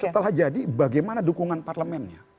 setelah jadi bagaimana dukungan parlemennya